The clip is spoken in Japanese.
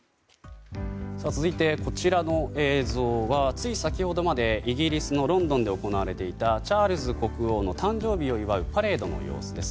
続いて、こちらの映像はつい先ほどまでイギリスのロンドンで行われていたチャールズ国王の誕生日を祝うパレードの様子です。